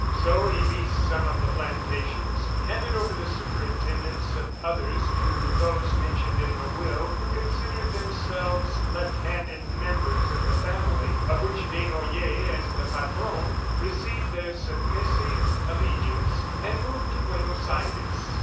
So he leased some of the plantations, handed over the superintendence of others to those mentioned in the will who considered themselves left handed members of the family of which Desnoyers as the Patron received their submissive allegiance and moved to Buenos Aires.